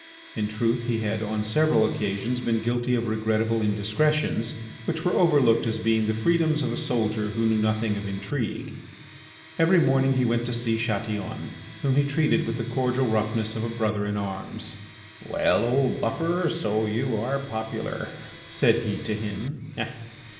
In truth he had on several occasions been guilty of regrettable indiscretions, which were overlooked as being the freedoms of a soldier who knew nothing of intrigue. Every morning he went to see Chatillon, whom he treated with the cordial roughness of a brother in arms. "Well, old buffer, so you are popular," said he to him.